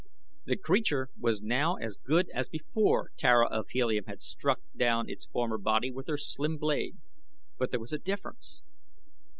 The creature was now as good as before Tara of Helium had struck down its former body with her slim blade. But there was a difference.